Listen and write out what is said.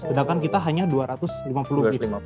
sedangkan kita hanya dua ratus lima puluh ribu